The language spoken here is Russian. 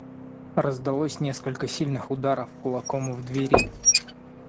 Раздалось несколько сильных ударов кулаком в двери.